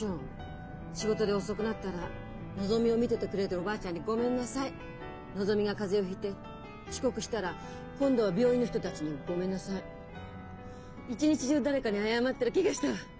仕事で遅くなったらのぞみを見ててくれてるおばあちゃんに「ごめんなさい」。のぞみが風邪をひいて遅刻したら今度は病院の人たちに「ごめんなさい」。一日中誰かに謝ってる気がしたわ。